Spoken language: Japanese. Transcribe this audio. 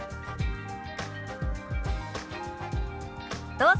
どうぞ。